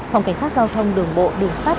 phòng cảnh sát giao thông đường bộ đường sát